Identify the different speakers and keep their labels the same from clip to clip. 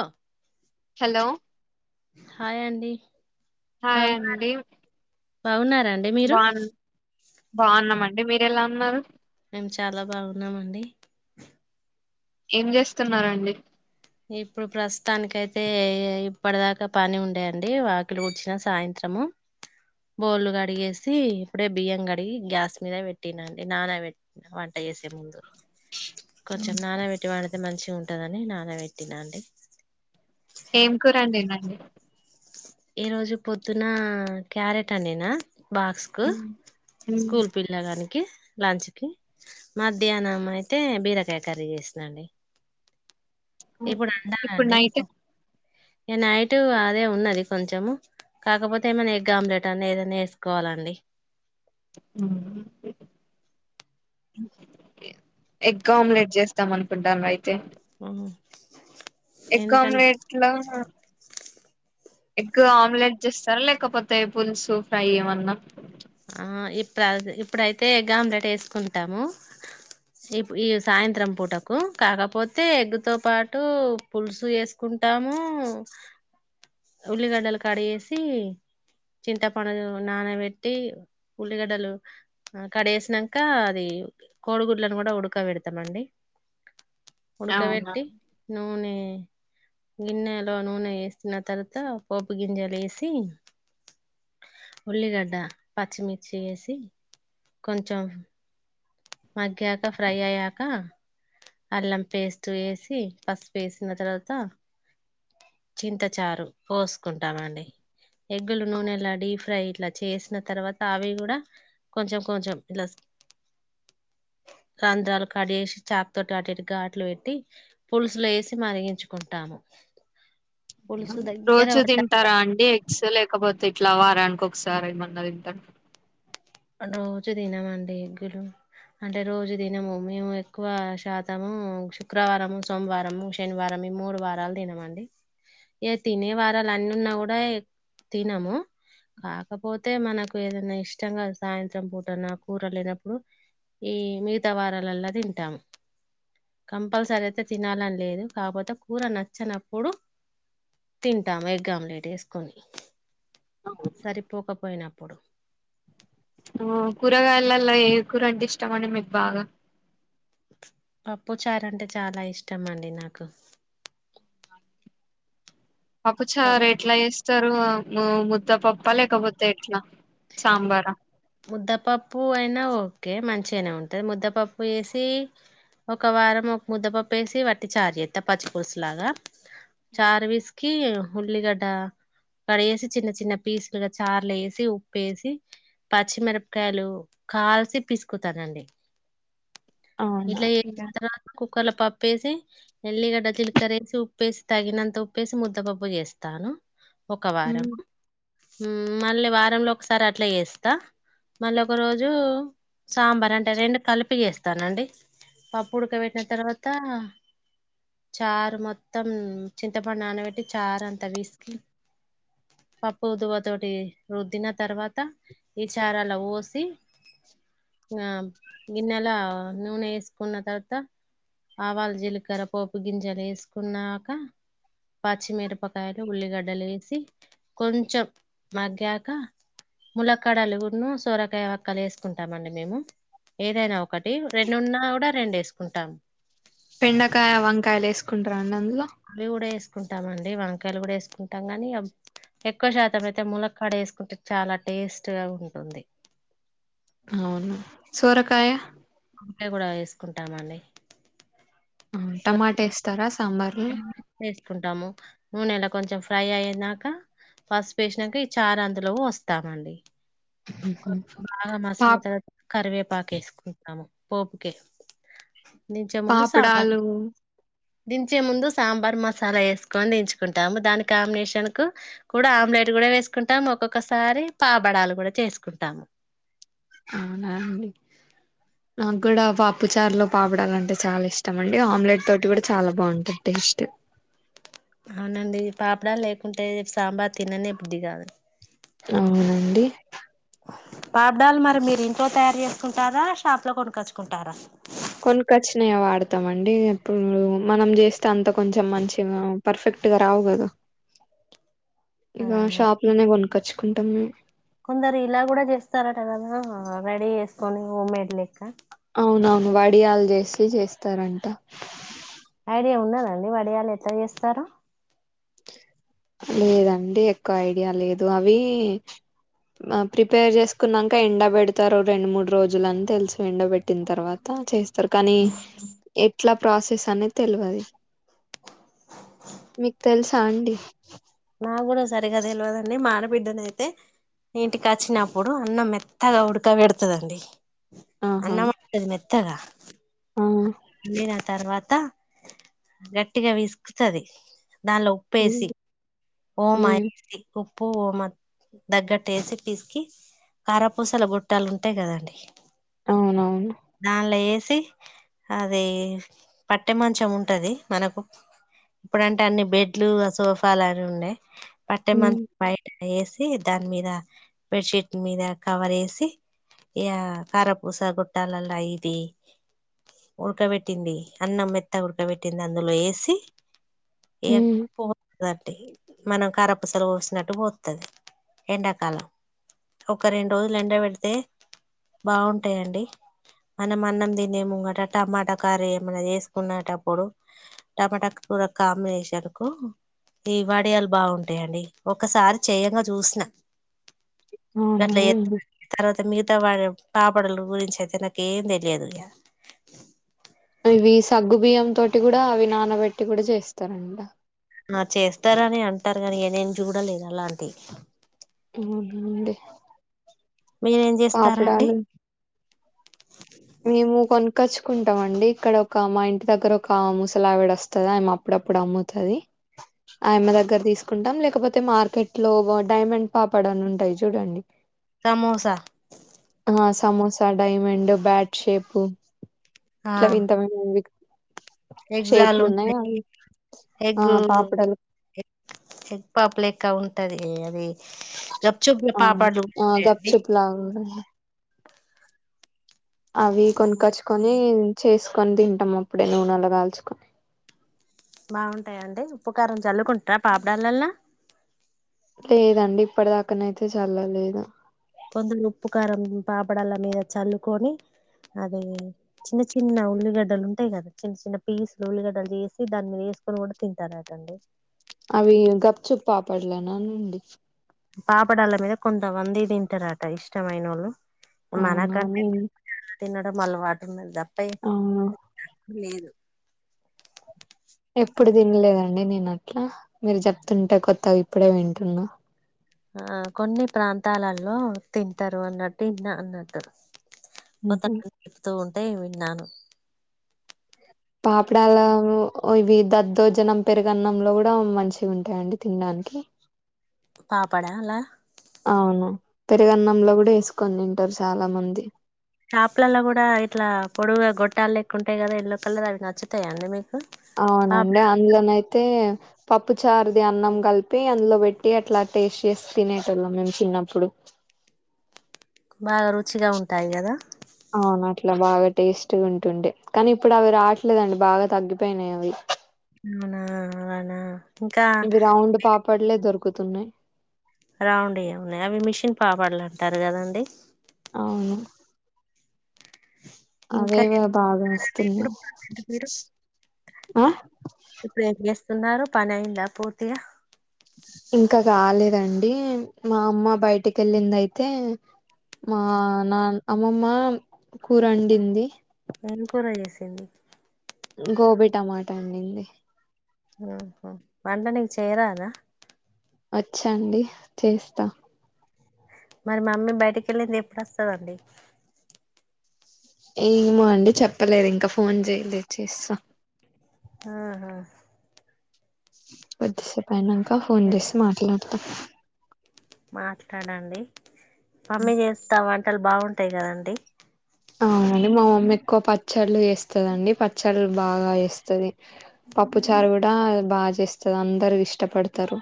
Speaker 1: ఆ
Speaker 2: hello
Speaker 1: hi అండి
Speaker 2: hi
Speaker 1: బవు
Speaker 2: అండి
Speaker 1: బావున్నారు అండి మీరు
Speaker 2: బాగున్నా మండి మీరెలా ఉన్నారు
Speaker 1: మేము చాలా బాగున్నా మండి
Speaker 2: ఏం చేస్తున్నారండి
Speaker 1: ఇప్పుడు ప్రస్తుతానికి అయితే ఇప్పటి దాకా పని ఉండే అండి వాకిలు ఉడ్చిన సాయంత్రము బోల్లు కడిగేసి ఇప్పుడే బియ్యం కడిగి గ్యాస్ మీద పెట్టినా అం డి నానా బెట్టి వంట చేసే ముందు కొంచెం నానా బెట్టి వాడితే మంచి ఉంటదని నాన్న బెట్టినా అండి
Speaker 2: ఏం కూర వండిడ్రండి
Speaker 1: ఈ రోజు పొద్దున క్యారెట్ అనీనా బాక్స్ కు స్కూల్ పిల్ల గాని లంచ్ కి మధ్యాహ్నం అయితే బీరకాయ కర్రీ చేసినండి ఇప్పుడు
Speaker 2: ఇప్పుడు
Speaker 1: అండాలండి
Speaker 2: నైట్
Speaker 1: నైట్ అదే ఉన్నది కొంచము కాకపోతే ఏమైనా ఎగ్ ఆమ్లెట్ అన్న ఎదన్న వేసుకోవాలండి
Speaker 2: ఎగ్గామ్లెట్ చేస్తాం అనుకుంటను అయితే
Speaker 1: ఆ
Speaker 2: ఎగ్ ఆమ్లెట్లా ఎగ్ ఆమ్లెట్ చేస్తారా లేకపోతే పులుసు ఫ్రై ఇమన్నా
Speaker 1: ఆ ఇప్పుడు ఇప్పుడైతే ఎగ్ ఆమ్లెట్ వేసుకుంటాము ఈ ఈ సాయంత్రం పూటకు కాకపోతే ఎగ్గు తో పాటు పులుసు వేసుకుంటాము ఉల్లిగడ్డలు కడిగేసి చింతపండును నానబెట్ పెట్టి ఉల్లిగడ్డలు కడేసినంక అది కోడిగుడ్లను కూడా ఉడకబేడతామండి ఉడక
Speaker 2: అవునా
Speaker 1: బేట్టి నూనె గిన్నెలో నూనె వేసిన తర్వాత పోపు గింజలు వేసి ఉల్లిగడ్డ పచ్చిమిర్చి ఎసి కొంచెం మగ్గాక ఫ్రై అయ్యాక అల్లం పేస్ట్ ఎసి పసుపు వేసిన తర్వాత చింతచారు పోసుకుంటామ అండి ఎగ్గులు నూనె ఇలా డీప్ ఫ్రై ఇట్లా చేసిన తర్వాత అవి కూడా కొంచెం కొంచెం ఇలా రంధ్రాలు కడిసి చాక్తోటి అటు ఘాట్లు పెట్టి పులుసులో వేసి మరిగించుకుంటాము [inaudible] పులుసు దగ్గర
Speaker 2: రోజు
Speaker 1: పడ్డ
Speaker 2: తింటారా అండి ఎక్సల్ కాకపోతే ఇట్లా వారానికి కోకసారి ఏమన్నా తింటా
Speaker 1: రోజు తినమండి ఎగ్గులు అంటే రోజు తినము మేము ఎక్కువ శాతము శుక్రవారము సోమవారము శనివారంము ఈ మూడు వారాలు తినమండి ఇ తినే వారాలు అన్ని ఉన్నా కూడా తినము కాకపోతే మనకు ఏదైనా ఇష్టంగా సాయంత్రం పూటన కూర లేనప్పుడు ఈ మిగతా వారాలలా తింటామ్ కంపల్సరీ అయితే తినాలని లేదు కాకపోతే కూర నచ్చినప్పుడు తింటమ్ ఎగ్గామ్లేట్ వేసుకొని సరిపోక పోయినప్పుడు
Speaker 2: ఓ కూరగాయలలో ఏ కూర అంటే ఇష్టం అండి మీకు బాగా
Speaker 1: పప్పు చారు అంటే చాలా ఇష్టం అండి నాకు
Speaker 2: పప్పు
Speaker 1: ప
Speaker 2: చార్ ఎట్ల చేస్త స్తారు ముద్దపప్ప లేకపోతే ఎట్ల సాంబార
Speaker 1: ముద్దపప్పు అయినా ఓకే మంచి మంచిగనే ఉంటది ముద్దపప్పు వేసి ఒక వారం ఒక ముద్దపప్పు వేసి వట్టి చారు చేస్త పచ్చి పలుసులాగా చార్ విస్కి ఉల్లిగడ్డ కడిగేసి చిన్న చిన్న పీసులుగా చార్లో వేసి ఉప్పుేసి పచ్చిమిరపకాయలు కాల్చి పిసుకుతనండి
Speaker 2: అవున
Speaker 1: కుక్కర్ల పప్పుేసి ఎల్లిగడ్డ చిలికరేసి ఉప్పేసి తగినంత ఉప్పేసి ముద్దపప్పు చేస్తాను ఒక వారం
Speaker 2: ఉమ్
Speaker 1: హమ్ మళ్ళీ వారంలో ఒకసారి అట్లా చేస్ త మళ్ళీ ఒక రోజు సాంబార్ అంటే రెండు కలిపి వేస్తానండి పప్పు ఉడకబెట్టిన తర్వాత చారు మొత్తం చింతపండు నానబెట్టి చారు అంతా పిస్కీ పప్పు ఉుదువా తోటి రుద్దిన తర్వాత ఈ చార అల్లో వోసి ఆ గన్నెల నూనె వేసుకున్న తర్వాత ఆవాల జీలకర్ర పోపు గింజలు వేసుకున్నాక పచ్చి మీరపకాయలు ఉల్లి గడ్ లేసి కొంచెం మగ్గాక ముల కడలుగున్న సోరకాయ వక్కలు వేసుకుంటాం అండి మేము, ఏదైనా ఒకటి రెండున్నా కూడా రెండు వేసుకుంటాం.
Speaker 2: పెండకాయ వంకాయలు వేసుకుంటార అండి అ
Speaker 1: అవి కూడా ఎస్ వేసుకుంటామండి, వంకాయలు కూడా వేసుకుంటాం కాని, ఎక్కువ శాతం అయితే ములక్కాడ వేసుకుంటే చాలా టేస్ట్ గా ఉంటుంది.
Speaker 2: అవును సోరకాయ
Speaker 1: వంకాయ కూడా వేసుకుంటామండి
Speaker 2: టమాట ఇస్తారా సాంబార్
Speaker 1: చేసుకుంటాము నూనెలా కొంచెం ఫ్రై అయనాక, పసుపు వేసినాక ఈ చారు అందులో పొస్తామండి. బాగా
Speaker 2: పా
Speaker 1: మసాల తర్వాత కరివేపాక వేసుకుంటాము పోపుకే దించే ముందు సాంబార్
Speaker 2: పాపడాలు
Speaker 1: దించే ముందు సాంబార్ మసాలా వేసుకొని దించుకుంటాము, దాని కాంబినేషన్ కు కూడా ఆమ్లెట్ కూడా వేసుకుంటాము, ఒక్కొక్కసారి పాబడాలు కూడా చేసు కుంటాము
Speaker 2: అవునా అండి నాకు కూడా పాప్పు చారులో పాపడాలంటే చాలా ఇష్టం అండి, ఆమ్లెట్ తోటి కూడా చాలా బాగుంటుంది టేస్ట్
Speaker 1: అవునండి పాపడా లేకుంటే సాంబార్ తినని ఇప్పుడు దిగాదు
Speaker 2: అవునండి
Speaker 1: పాపడాలు మరి మీరు ఇంట్లో తయారు చేసుకుంటారా, షాప్ లో కొనుక్కొచ్చుకుంటారా
Speaker 2: కొనుకచ్చినయ వాడతామండి, ఇప్పుడు మనం చేస్తే అంత కొంచెం మంచిగా పర్ఫెక్ట్గా రావు కదా ఇగా
Speaker 1: అలానా
Speaker 2: షాప్లోనే కొనుకొచ్ కుంటాము
Speaker 1: కొందరు ఇలా కూడా చేస్తారట కదా రెడీ చేసుకొని హోమ్మేడ్ లెక్క
Speaker 2: అవునవును వడియాలు చేసి చేస్తారంట
Speaker 1: ఐడియా ఉన్నదా అన్ని వడయాలు ఎట్లా చేస్తారు
Speaker 2: లేదండి ఎక్కువ ఐడియా లేదు, అవి ప్రిపేర్ చేసుకున్నాక ఎండపెడతారు రెండు మూడు రోజులుని తెలుసు, ఎండబెట్టిన తర్వాత చేస్తారు కానీ ఎట్లా ప్రాసెస్ అనేది తెల్వది, మీకు తెలుసా అండి
Speaker 1: నా కూడా సరిగా తెలవదండి, మా ఆడబిడ్డన అయితే ఇంటికి వచ్చినప్పుడు అన్నం మెత్తగా ఉడకబడేతండి
Speaker 2: ఆహా
Speaker 1: అన్నమ్ మే తెగ
Speaker 2: ఆ
Speaker 1: [unintelligible] రా తర్వాత గట్టిగా పిసుకుతది దానిలో
Speaker 2: ఉమ్
Speaker 1: ఉప్పేసి ఓ మాయ
Speaker 2: ఉమ్
Speaker 1: ఉప్పు ఓమ తగ్గట్టేసి పీసికి కారాపూసల బోట్టాలు ఉంటాయి కదండి
Speaker 2: అవునవును
Speaker 1: డాంట్లో ఎస్ అది పట్టె మంచం ఉంటది మనకు ఇప్పుడంటే అన్ని బెడ్లు సోఫ ఉండే పట్టే
Speaker 2: ఉమ్
Speaker 1: మంత పయ వేసి దాని మీద బెడ్షీట్ మీద కవర్ వేసి ఇ కారపూస గుట్టాలలా ఇది ఉడకబెట్టింది అన్నం మెత్త ఉడకబెట్టింది అందులో వేసి ఏ
Speaker 2: ఉమ్
Speaker 1: బ మనం కారపసలు పోసినట్టు పోతుది ఎండాకాలం ఒక రెండు రోజులు ఎండ పెడితే బాగుంటాయండి మనం అన్నం తినే ముంగట టమాటా కార ఏమన్నా వేసుకునేటప్పుడు టమాటా కూ కాంబినేషకు ఈవాడయాలు బాగుంటాయంండి ఒకసారి చెయంగా చూసిన
Speaker 2: ఆ హా
Speaker 1: పెంట వాడి పాపడలు గురించి అయితే నాక ఏం తెలియదు
Speaker 2: ఇవి సగ్గు బియ్యం తోటి కూడా అవి నానబెట్టి కూడా చేస్తారంట
Speaker 1: ఆ చేస్తారని అంటారు కా ని నేం చూడలేదు అలాంటి
Speaker 2: అవుందే
Speaker 1: మీరేం చేస్తారంండి
Speaker 2: కచ్చుకుంటాం అండి ఇక్కడ ఒక మా ఇంటి దగ్గర ఒక ముూసలావిడ వస్తుంది ఆయమె అప్పుడప్పుడు అమ్ముతుది ఆయమె దగ్గర తీసుకుంటాం లేకపోతే మార్కెట్ లో డైమండ్ పాపడ అని ఉంటాయి చూడండి
Speaker 1: samosa
Speaker 2: samosa diamond bat shape ఇట్ల ఇంతమంది
Speaker 1: ఎగ్ జాలు ఉంటాయి
Speaker 2: ఆ
Speaker 1: ఎగ్
Speaker 2: పాపడాలు
Speaker 1: ఎగ్ పాప్ లెక్క ఉంట్ ఉంటది ఏ అది గప్చుప్
Speaker 2: అవును
Speaker 1: పాపడ్లు
Speaker 2: గప్
Speaker 1: ఉంటాయండి
Speaker 2: చుప్ లాగా వుంటది అవి కొనిక్కచ్చుకొని చేసుకొని తింటాం అప్పుడే నూనెలో కాల్చుకొని
Speaker 1: బాగుంటాయండి ఉప్పుకారం చల్లుకుంటార పాపడాలల్లా
Speaker 2: లేదండి ఇప్పటి దాక్కనయితే చల్లలేదు
Speaker 1: కొంచెం ఉప్పు కారం పాపడాల మీద చల్లుకొని అది ఉప్పు కారం పాపడాల మీద చల్లుకొని అది చిన్న చిన్న ఉల్లిగడ్డలు ఉంటాయి కదా చిన్న చిన్న పీసులు ఉల్లిగడ్డలు చేసి దాని మీద వేసుకొని కూడా తింటారట అండి
Speaker 2: అవి గప్ చుప్ పాపడలేనా అండి
Speaker 1: పాపడళ్ళ మీద కొంతమంది తింటారట ఇష్టమైన వ ళ్ళు మనక
Speaker 2: అవునా నేను
Speaker 1: తినడం అలవాటు ఇంత అయి
Speaker 2: అవునా
Speaker 1: లేదు
Speaker 2: ఎప్పుడు తినలేదండి నేను అట్లా మీరు చెప్తుంటే కొత్తగా ఇప్పుడే వింటున్నా
Speaker 1: ఆ కొన్ని ప్రాంతాలలో తింటారు అన్నట్టు ఇన్న అన్నట్టు ఒక తో అదే విన్నాను
Speaker 2: పాపడాల ఇవి దద్దోజనం పెరుగన్నంలో కూడా మంచిగా ఉంటాయండి తినడానికి
Speaker 1: పాపడాలా
Speaker 2: అవును పెరుగన్నంలో కూడా వేసుకొని తింటారు చాలా మంది
Speaker 1: షాపులల్లో కూడా ఇట్లా పొడువుగా గొట్టాలు లెక్క ఉంటాయి కదా ఎల్లో కలర్ అవి నచ్చుతాయి అండి మీకు బా
Speaker 2: అవునండి అందులోన అయితే పప్పు చారుది అన్నం కలిపి అందులో పెట్టి అట్లా టేస్ట్ చేసి తినేటోళ్ళం మేము చిన్నప్పుడు
Speaker 1: బాగా రుచిగా ఉంటాయి కదా
Speaker 2: అవును అట్లా బాగా టేస్ట్ గా ఉంటుండే కానీ ఇప్పుడు అవి రావట్లేదండి బాగా తగ్గిపోయినాయి అవి
Speaker 1: అవునా అలానా ఇంకా
Speaker 2: తు ఉన్నాయి
Speaker 1: రౌండ్ అయ ఉన్నాయి అవి మిషన్ పాపడలు అంటారు కదండి
Speaker 2: అవును అవే
Speaker 1: ఇంకా డి
Speaker 2: బాగా వస్తున్నా
Speaker 1: ఇప్పుడు ప్రజెంట్ మీరు
Speaker 2: ఆ
Speaker 1: ఇప్పుడు ఏం సున్నారు పనైంద పూర్తిగా
Speaker 2: ఇంకా కాలేదండి మా అమ్మ బయటికి వెళ్ళింది అయితే మా నా అమ్మమ్మ కూరండింది
Speaker 1: ఏం కూర చేసింది
Speaker 2: గోబీ టమాటా వండింది
Speaker 1: వంట నీకి చేయరాద
Speaker 2: వచ్చండి చేస్తా
Speaker 1: మరి మామ్మీ బయటికి వెళ్ళింది ఎప్పుడు వస్తదండి
Speaker 2: ఏమో అండి చెప్పలేదు ఇంకా ఫోన్ చేయలే చేస్తా
Speaker 1: ఆా హా
Speaker 2: కొద్దిసేపు అయ్యింది ఇకా ఫోన్
Speaker 1: ఏం
Speaker 2: చేసి మాట్లా [inaudible]
Speaker 1: మాట్లాడండి మమ్మి చేస్తాం వంటలు బాగుంటా అంటాయి కదండి
Speaker 2: అవునండి మా మమ్మ ఎక్కువ పచ్చళ్ళు వేస్తందిండి పచ్చళ్ళు బాగా వేస్తుది పప్పు చారు కూడా బాగా చేస్తది అందరు ఇష్టపడతారు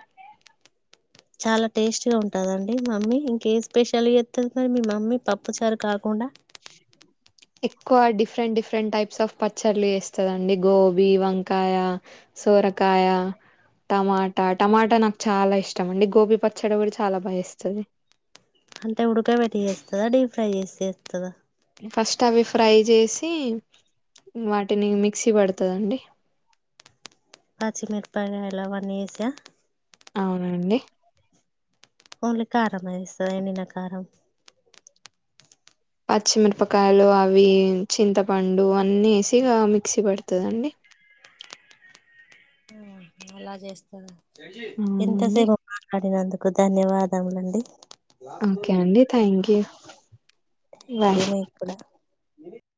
Speaker 1: చాలా టేస్ట్ గా ఉంటదండి మమ్మీ ఇంకే స్పెషల్గా చెత్తది సరి మీ మమ్మీ పప్పు చారు కాకుండా
Speaker 2: ఎక్కువ డిఫరెంట్ డిఫరెంట్ టైప్స్ ఆఫ్ పచ్చళ్లు వేస్తందిండి గోబీ వంకాయ సోరకాయ టమాటా టమాటా నాకు చాలా ఇష్టం అండి గోబీ పచ్చడి కూడా చాలా బాగా వేస్తుంది
Speaker 1: అంటే ఉడక పెట్టి చేస్తదా డీప్ ఫ్రై చేస్తద
Speaker 2: ఫస్ట్ అవి ఫ్రై చేసి వాటిని మిక్సీ పడతదండి
Speaker 1: పచ్చి మిరపగాయలు అవన్ని ఏష
Speaker 2: అవునండి
Speaker 1: ఓన్లీ కారం ఏ ఎస్తాద ఎండిన కారం
Speaker 2: పచ్చిమిరపకాయలు అవి చింతపండు అన్నీ ఏసీగా మిక్సీ పడుతదండి
Speaker 1: ఎలా చేస్తారు ఎంత
Speaker 2: అవునండి
Speaker 1: సేపు మాట్లాడినతో ధన్యవాదములండి
Speaker 2: ఓకే అండి థ్యాంక్ యి
Speaker 1: ఎకేమ ఇప్పుడ నివి